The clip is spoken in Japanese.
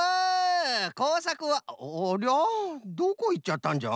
どこいっちゃったんじゃ？